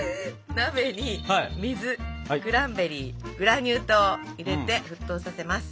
鍋に水クランべリーグラニュー糖を入れて沸騰させます。